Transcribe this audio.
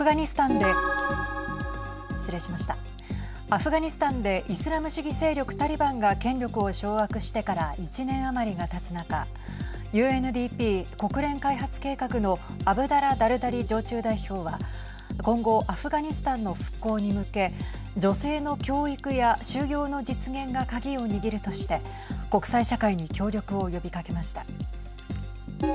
アフガニスタンでイスラム主義勢力タリバンが権力を掌握してから１年余りがたつ中ＵＮＤＰ＝国連開発計画のアブダラ・ダルダリ常駐代表は今後、アフガニスタンの復興に向け女性の教育や就業の実現が鍵を握るとして国際社会に協力を呼びかけました。